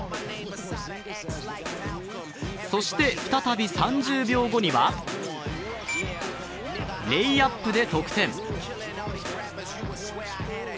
そして再び３０秒後にはレイアップで得点。